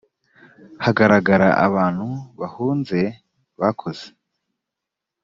hagaragara abantu bahunze bakoze